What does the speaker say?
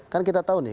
kan kita tahu nih